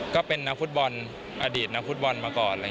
ก็เป็นนักฟุตบอลอดีตนักฟุตบอลมาก่อน